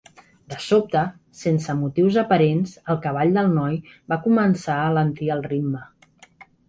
De sobte, sense motius aparents, el cavall del noi va començar a alentir el ritme.